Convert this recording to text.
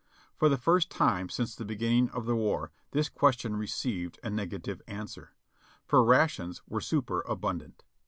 For the first time since the beginning of the war this question received a negative answer, for rations were superabundant.